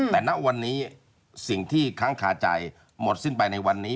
แต่ณวันนี้สิ่งที่ค้างคาใจหมดสิ้นไปในวันนี้